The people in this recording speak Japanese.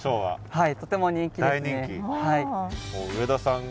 はい。